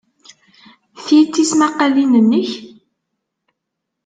Ti d tismaqqalin-nnek?